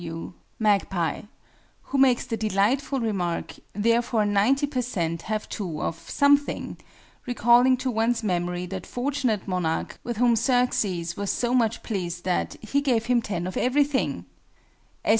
D. W., MAGPIE (who makes the delightful remark "therefore 90 per cent. have two of something," recalling to one's memory that fortunate monarch, with whom Xerxes was so much pleased that "he gave him ten of everything!")